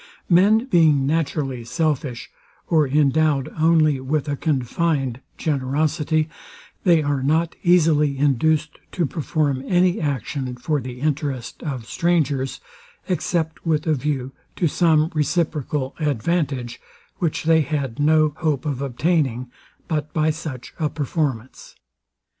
Men being naturally selfish, or endowed only with a confined generosity, they are not easily induced to perform any action for the interest of strangers, except with a view to some reciprocal advantage, which they had no hope of obtaining but by such a performance.